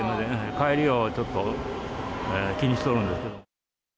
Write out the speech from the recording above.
帰りをちょっと気にしとるんです